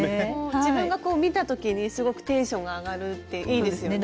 自分がこう見た時にすごくテンションが上がるっていいですよね。